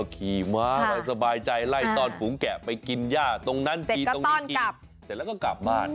ขี่ม้าไปสบายใจไล่ต้อนฝูงแกะไปกินย่าตรงนั้นทีตรงนี้ทีเสร็จแล้วก็กลับบ้าน